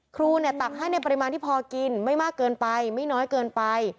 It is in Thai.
ครูตักให้ในปริมาณที่พอกินไม่มากเกินไปไม่น้อยเกินไป